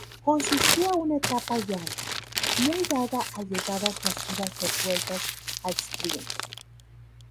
Consistía una etapa llana, muy dada a llegadas masivas resueltas al sprint.